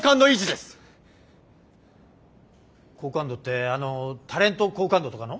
好感度ってあのタレント好感度とかの？